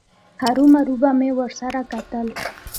هرومرو به مې ورسره کتل.